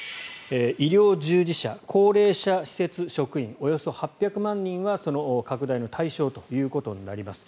医療従事者、高齢者施設職員およそ８００万人はその拡大の対象となります。